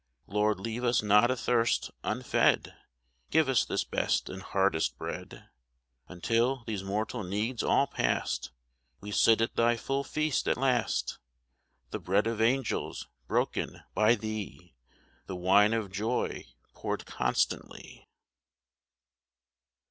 Lord, leave us not athirst, unfed ; Give us this best and hardest bread, Until, these mortal needs all past, We sit at thy full feast at last, The bread of angels broken by thee, The wine of joy poured constantly.